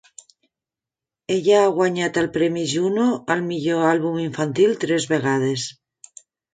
Ella ha guanyat el Premi Juno al millor àlbum infantil tres vegades.